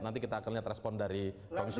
nanti kita akan lihat respon dari komisi